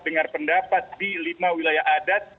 dengar pendapat di lima wilayah adat